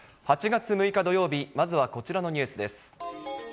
８月６日土曜日、まずは、こちらのニュースです。